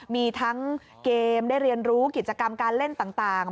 มีทั้งเกมได้เรียนรู้กิจกรรมการเล่นต่าง